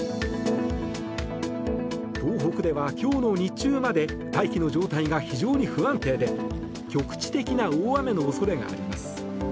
東北では今日の日中まで大気の状態が非常に不安定で局地的な大雨の恐れがあります。